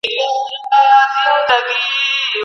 چي ګلاب وي غوړېدلی د سنځلي بوی لګیږي